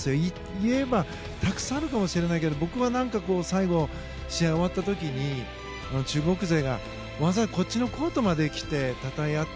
言えばたくさんあるかもしれないけど僕は何か最後、試合が終わった時に中国勢がまずはこっちのコートまで来てたたえ合った。